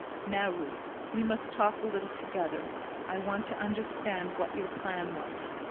"Now, Ruth, we must talk a little together. I want to understand what your plan was.